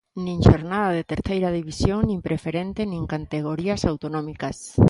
Nin xornada de Terceira División nin preferente nin categorías autonómicas.